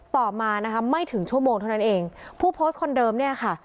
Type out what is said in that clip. ต่อมานะคะไม่ถึงชั่วโมงเท่านั้นเองผู้โพสต์คนเดิมเนี่ยค่ะ